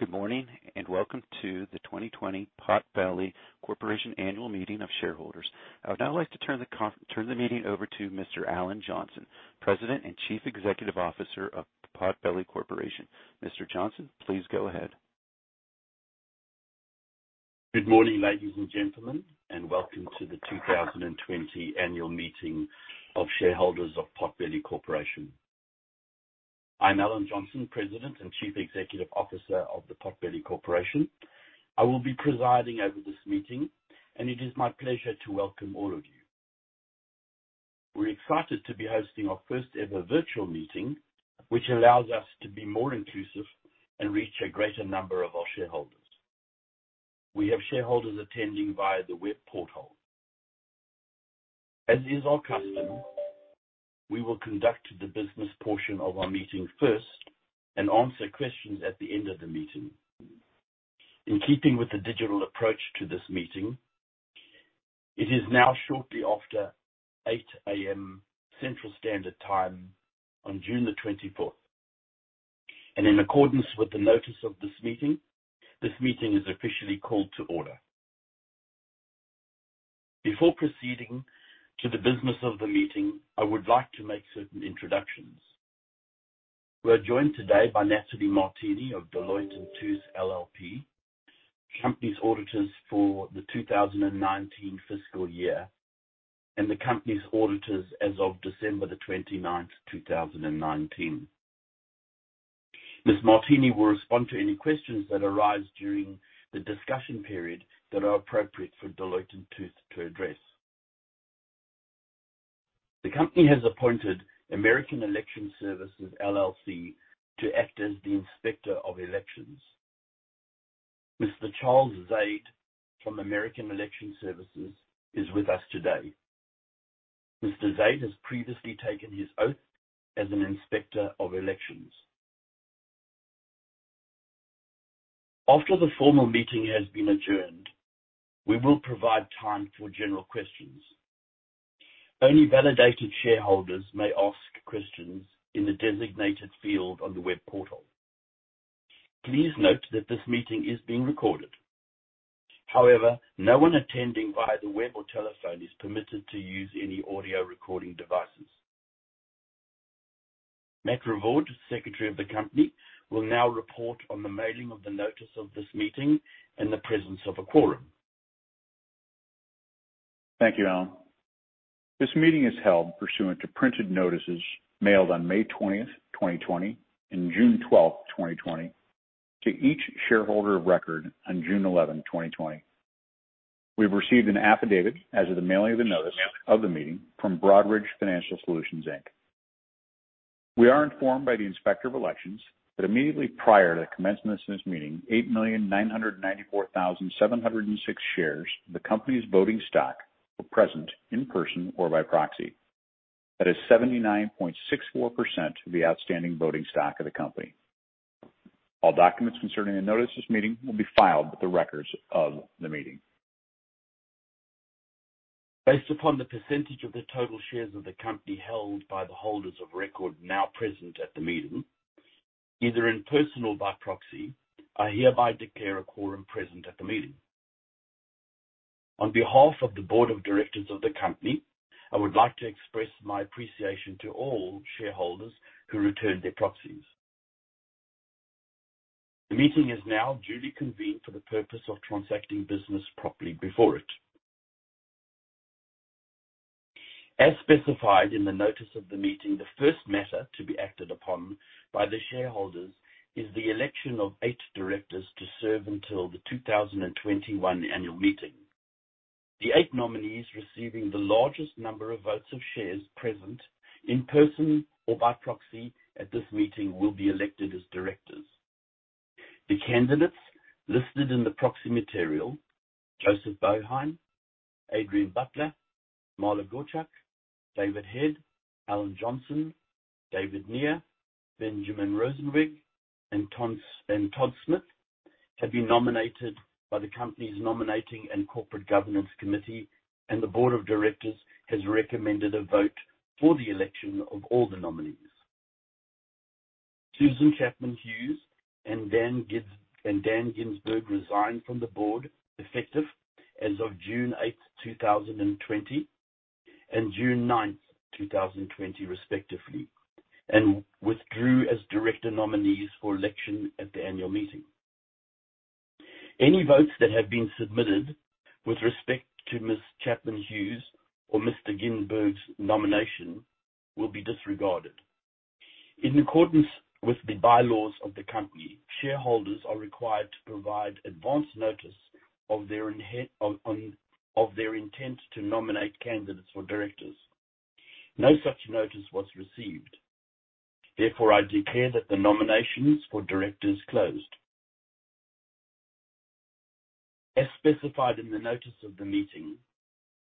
Good morning, welcome to the 2020 Potbelly Corporation Annual Meeting of Shareholders. I would now like to turn the meeting over to Mr. Alan Johnson, President and Chief Executive Officer of Potbelly Corporation. Mr. Johnson, please go ahead. Good morning, ladies and gentlemen. Welcome to the 2020 Annual Meeting of Shareholders of Potbelly Corporation. I'm Alan Johnson, President and Chief Executive Officer of the Potbelly Corporation. I will be presiding over this meeting, and it is my pleasure to welcome all of you. We're excited to be hosting our first-ever virtual meeting, which allows us to be more inclusive and reach a greater number of our shareholders. We have shareholders attending via the web portal. As is our custom, we will conduct the business portion of our meeting first and answer questions at the end of the meeting. In keeping with the digital approach to this meeting, it is now shortly after 8:00 A.M. Central Standard Time on June the 24th. In accordance with the notice of this meeting, this meeting is officially called to order. Before proceeding to the business of the meeting, I would like to make certain introductions. We're joined today by Natalie Martini of Deloitte & Touche LLP, the company's auditors for the 2019 fiscal year and the company's auditors as of December 29, 2019. Ms. Martini will respond to any questions that arise during the discussion period that are appropriate for Deloitte & Touche to address. The company has appointed American Election Services, LLC to act as the Inspector of Elections. Mr. Charles Zaid from American Election Services is with us today. Mr. Zaid has previously taken his oath as an inspector of elections. After the formal meeting has been adjourned, we will provide time for general questions. Only validated shareholders may ask questions in the designated field on the web portal. Please note that this meeting is being recorded. However, no one attending via the web or telephone is permitted to use any audio recording devices. Matt Revord, Secretary of the company, will now report on the mailing of the notice of this meeting and the presence of a quorum. Thank you, Alan. This meeting is held pursuant to printed notices mailed on May 20, 2020, and June 12, 2020 to each shareholder of record on June 11, 2020. We have received an affidavit as of the mailing of the notice of the meeting from Broadridge Financial Solutions, Inc. We are informed by the Inspector of Elections that immediately prior to the commencement of this meeting, 8,994,706 shares of the company's voting stock were present in person or by proxy. That is 79.64% of the outstanding voting stock of the company. All documents concerning the notice of this meeting will be filed with the records of the meeting. Based upon the percentage of the total shares of the company held by the holders of record now present at the meeting, either in person or by proxy, I hereby declare a quorum present at the meeting. On behalf of the Board of Directors of the company, I would like to express my appreciation to all shareholders who returned their proxies. The meeting is now duly convened for the purpose of transacting business properly before it. As specified in the notice of the meeting, the first matter to be acted upon by the shareholders is the election of eight directors to serve until the 2021 Annual Meeting. The eight nominees receiving the largest number of votes of shares present in person or by proxy at this meeting will be elected as directors. The candidates listed in the proxy material, Joseph Boehm, Adrian Butler, Marla Gottschalk, David Head, Alan Johnson, David Near, Benjamin Rosenzweig, and Todd Smith, have been nominated by the company's Nominating and Corporate Governance Committee, and the Board of Directors has recommended a vote for the election of all the nominees. Susan Chapman-Hughes and Dan Ginsberg resigned from the board effective as of June 8, 2020, and June 9, 2020, respectively, and withdrew as director nominees for election at the Annual Meeting. Any votes that have been submitted with respect to Ms. Chapman-Hughes or Mr. Ginsberg's nomination will be disregarded. In accordance with the bylaws of the company, shareholders are required to provide advance notice of their intent to nominate candidates for directors. No such notice was received. Therefore, I declare that the nominations for directors closed. As specified in the notice of the meeting,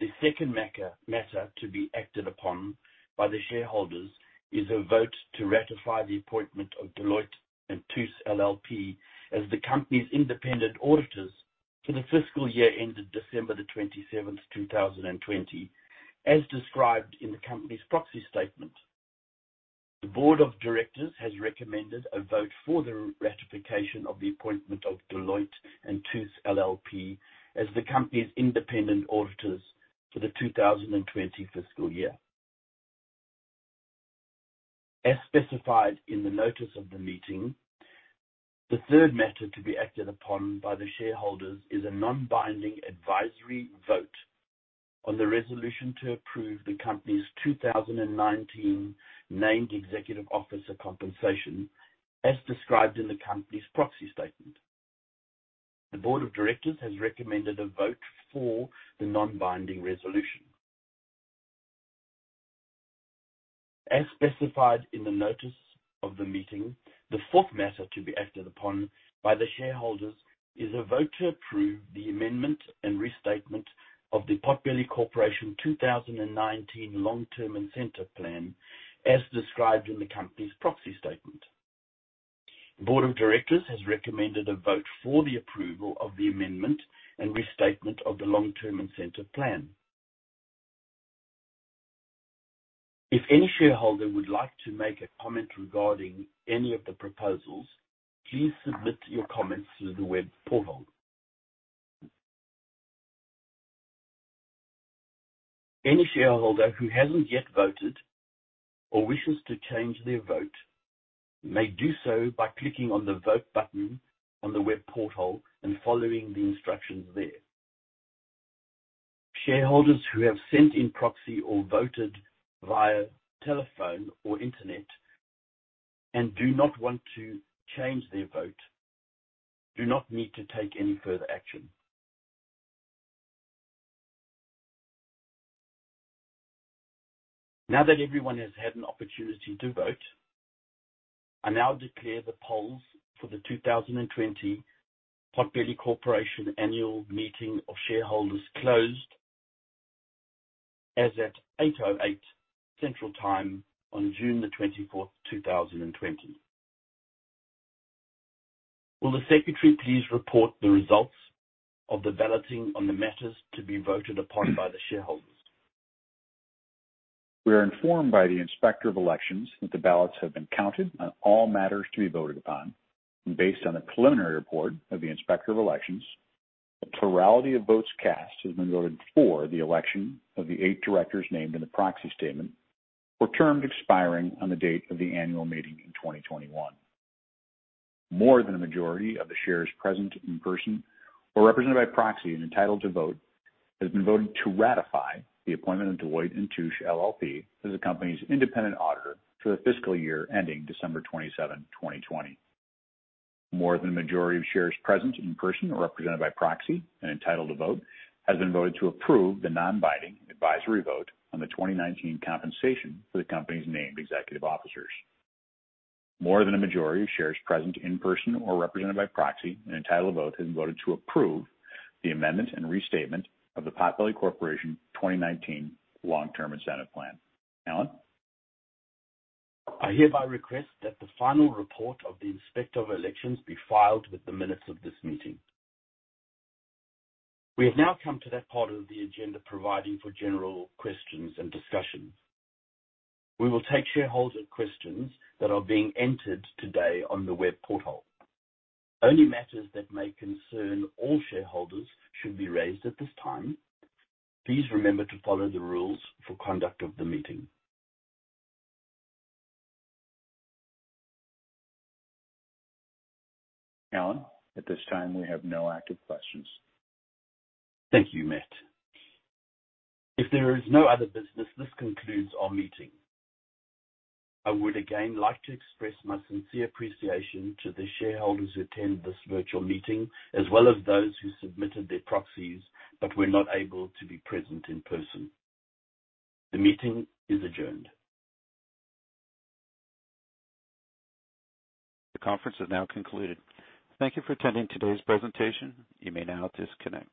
the second matter to be acted upon by the shareholders is a vote to ratify the appointment of Deloitte & Touche LLP, as the company's independent auditors for the fiscal year ended December the 27th, 2020, as described in the company's proxy statement. The Board of Directors has recommended a vote for the ratification of the appointment of Deloitte & Touche LLP, as the company's independent auditors for the 2020 fiscal year. As specified in the notice of the meeting, the third matter to be acted upon by the shareholders is a non-binding advisory vote on the resolution to approve the company's 2019 named executive officer compensation, as described in the company's proxy statement. The Board of Directors has recommended a vote for the non-binding resolution. As specified in the notice of the meeting, the fourth matter to be acted upon by the shareholders is a vote to approve the amendment and restatement of the Potbelly Corporation 2019 Long-Term Incentive Plan, as described in the company's proxy statement. The Board of Directors has recommended a vote for the approval of the amendment and restatement of the Long-Term Incentive Plan. If any shareholder would like to make a comment regarding any of the proposals, please submit your comments through the web portal. Any shareholder who hasn't yet voted or wishes to change their vote may do so by clicking on the vote button on the web portal and following the instructions there. Shareholders who have sent in proxy or voted via telephone or internet and do not want to change their vote do not need to take any further action. Now that everyone has had an opportunity to vote, I now declare the polls for the 2020 Potbelly Corporation Annual Meeting of Shareholders closed as at 8:08 Central time on June the 24th, 2020. Will the secretary please report the results of the balloting on the matters to be voted upon by the shareholders? We are informed by the Inspector of Elections that the ballots have been counted on all matters to be voted upon. Based on the preliminary report of the Inspector of Elections, the plurality of votes cast has been voted for the election of the eight directors named in the proxy statement for terms expiring on the date of the Annual Meeting in 2021. More than a majority of the shares present in person or represented by proxy and entitled to vote, has been voted to ratify the appointment of Deloitte & Touche LLP as the company's independent auditor for the fiscal year ending December 27, 2020. More than a majority of shares present in person or represented by proxy and entitled to vote has been voted to approve the non-binding advisory vote on the 2019 compensation for the company's named executive officers. More than a majority of shares present in person or represented by proxy and entitled to vote has been voted to approve the amendment and restatement of the Potbelly Corporation 2019 Long-Term Incentive Plan. Alan? I hereby request that the final report of the Inspector of Elections be filed with the minutes of this meeting. We have now come to that part of the agenda providing for general questions and discussions. We will take shareholder questions that are being entered today on the web portal. Only matters that may concern all shareholders should be raised at this time. Please remember to follow the rules for conduct of the meeting. Alan, at this time, we have no active questions. Thank you, Matt. If there is no other business, this concludes our meeting. I would again like to express my sincere appreciation to the shareholders who attended this virtual meeting, as well as those who submitted their proxies but were not able to be present in person. The meeting is adjourned. The conference is now concluded. Thank you for attending today's presentation. You may now disconnect.